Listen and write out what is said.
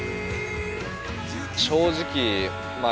正直まあ